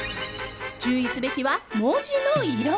注意すべきは文字の色。